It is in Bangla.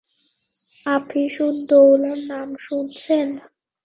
আসিফ উদ দৌলার নাম শুনছেন?